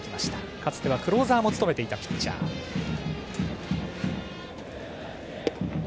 かつてはクローザーも務めていたピッチャー、石山。